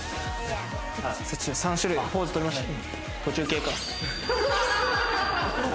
３種類、ポーズとりましょう。